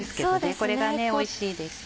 これがおいしいですよ。